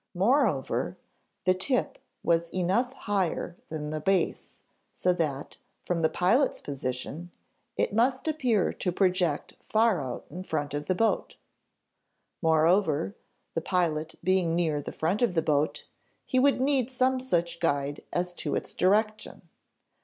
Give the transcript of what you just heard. Moreover, the tip was enough higher than the base, so that, from the pilot's position, it must appear to project far out in front of the boat. Moreover, the pilot being near the front of the boat, he would need some such guide as to its direction.